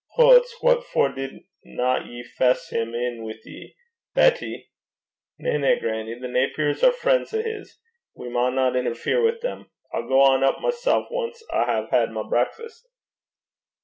'Hoots! What for didna ye fess him in wi' ye? Betty!' 'Na, na, grannie. The Napers are frien's o' his. We maunna interfere wi' them. I'll gang up mysel' ance I hae had my brakfast.'